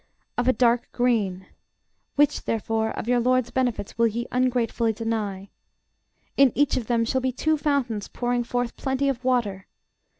Of a dark green. Which, therefore, of your LORD'S benefits will ye ungratefully deny? In each of them shall be two fountains pouring forth plenty of water.